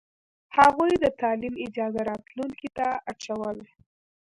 هغوی د تعلیم اجازه راتلونکې ته اچوله.